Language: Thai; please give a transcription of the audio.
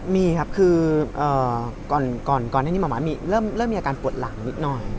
มีครับคือก่อนหน้านี้หมอหมายเริ่มมีอาการปวดหลังนิดหน่อย